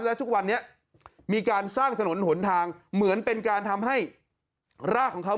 และทุกวันนี้มีการสร้างถนนหนทางเหมือนเป็นการทำให้รากของเขา